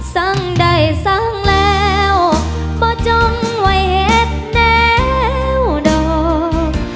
สังใดสังแล้วบ่จงไว้เหตุแนวดอก